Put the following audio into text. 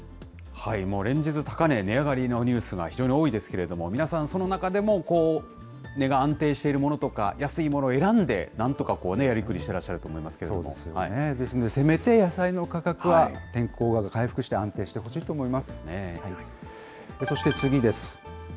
もう連日、高値、値上がりのニュースが非常に多いですけれども、皆さん、その中でもこう、値が安定しているものとか、安いものを選んで、なんとかこうね、やりくりしてらっしゃると思いますけれども。ですので、せめて野菜の価格は、天候が回復して安定してほしそうですね。